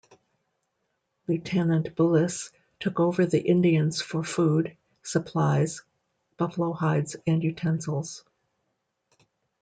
Lieutenant Bullis took over the Indians for food, supplies, buffalo hides, and utensils.